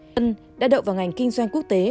thiên ngân đã đậu vào ngành kinh doanh quốc tế